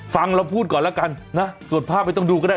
เราพูดก่อนแล้วกันนะส่วนภาพไม่ต้องดูก็ได้